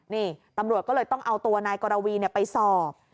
นี่ตำรวจก็เลยต้องเอาตัวนายกรวีไปสอบ